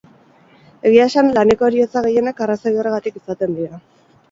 Egia esan, laneko heriotza gehienak arrazoi horregatik izaten dira.